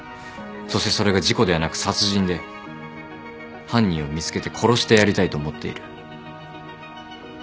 そしてそれが事故ではなく殺人で犯人を見つけて殺してやりたいと思っている。